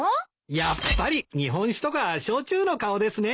やっぱり日本酒とか焼酎の顔ですね。